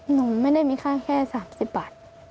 หนูไม่ได้มีค่าแค่๓๐บาท